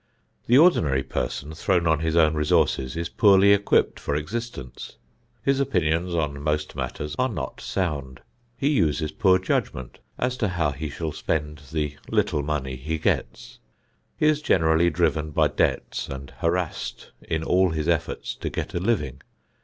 The ordinary person, thrown on his own resources, is poorly equipped for existence. His opinions on most matters are not sound. He uses poor judgment as to how he shall spend the little money he gets. He is generally driven by debts and harassed in all his efforts to get a living.